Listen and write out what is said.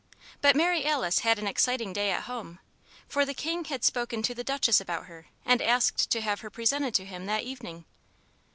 But Mary Alice had an exciting day at home; for the King had spoken to the Duchess about her and asked to have her presented to him that evening.